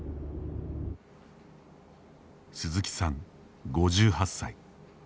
鈴木さん、５８歳。